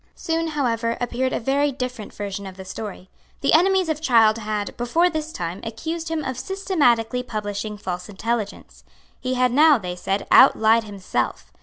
Soon, however, appeared a very different version of the story. The enemies of Child had, before this time, accused him of systematically publishing false intelligence. He had now, they said, outlied himself.